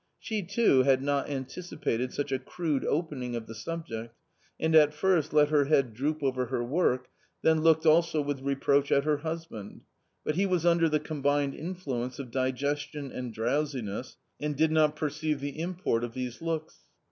She too had not anticipated such a crude opening of the subject, and at first let her head droop over her work, then looked also with reproach at her husband; bat he was under the combined influence of digestion and drowsiness, and did not perceive the import of these looks.